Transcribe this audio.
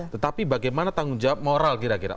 tetapi bagaimana tanggung jawab moral kira kira